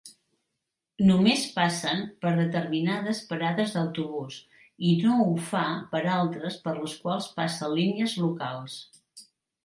Només passen per determinades parades d'autobús i no ha fa per altres per les quals passen línies locals.